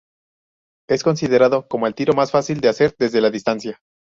Es considerado como el tiro más fácil de hacer desde la distancia.